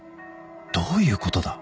どういうことだ？